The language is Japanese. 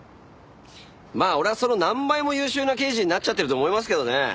まあ俺はその何倍も優秀な刑事になっちゃってると思いますけどね。